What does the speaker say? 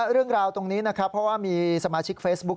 เรื่องราวตรงนี้นะครับเพราะว่ามีสมาชิกเฟซบุ๊ค